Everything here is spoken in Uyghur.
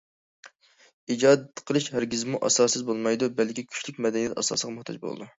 ئىجاد قىلىش ھەرگىزمۇ ئاساسسىز بولمايدۇ، بەلكى كۈچلۈك مەدەنىيەت ئاساسىغا موھتاج بولىدۇ.